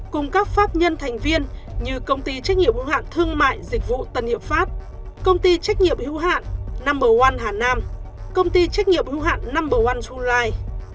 cùng các pháp nhân thành viên như công ty trách nhiệm hưu hạn thương mại dịch vụ tân hiệp pháp công ty trách nhiệm hưu hạn no một hà nam công ty trách nhiệm hưu hạn no một chu lai